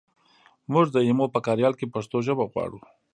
مونږ د ایمو په کاریال کې پښتو ژبه غواړو